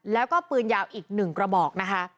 แล้วก็ปืนยาวอีก๑กระบอกนะคะ